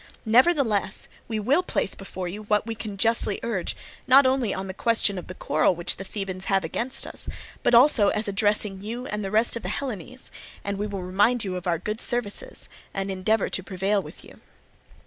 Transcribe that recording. Nevertheless, we will place before you what we can justly urge, not only on the question of the quarrel which the Thebans have against us, but also as addressing you and the rest of the Hellenes; and we will remind you of our good services, and endeavour to prevail with you.